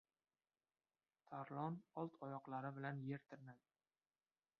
Tarlon old oyoqlari bilan yer tirnadi.